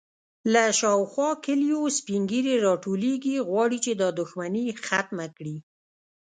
_له شاوخوا کليو سپين ږيرې راټولېږي، غواړي چې دا دښمنې ختمه کړي.